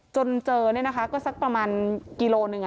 จนเจอก็สักประมาณกิโลหนึ่ง